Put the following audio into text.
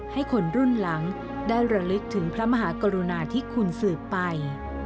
ให้คนรุ่นหลังได้ระลึกถึงพระมหากรุณาที่คุณสืบไป